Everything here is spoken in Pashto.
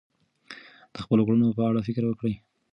د خپلو کړنو په اړه فکر وکړئ.